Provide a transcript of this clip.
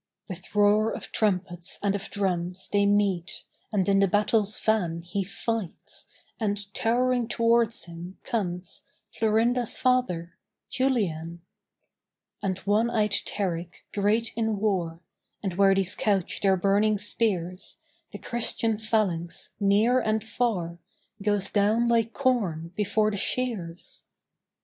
With roar of trumpets and of drums They meet; and in the battle's van He fights; and, towering towards him, comes Florinda's father, Julian; And one eyed Taric, great in war: And where these couch their burning spears, The Christian phalanx, near and far, Goes down like corn before the shears.